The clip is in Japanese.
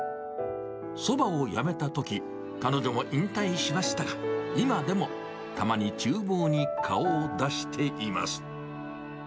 そばをやめたとき、彼女も引退しましたが、今でもたまにちゅう房に顔を出しています。